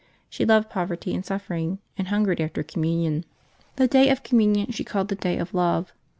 She loved poverty and suffering, and hungered after Communion. The day of Communion she called the day of love.